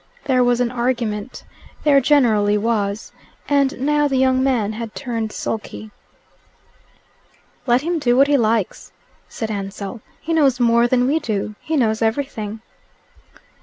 There was an argument there generally was and now the young man had turned sulky. "Let him do what he likes," said Ansell. "He knows more than we do. He knows everything."